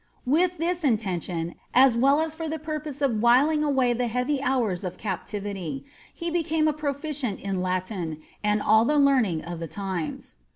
With this inten tion, as well as for the purpose of whiling away the heavy hours of cap* tivity, he became a proficient in Latin and all the learning of the times.'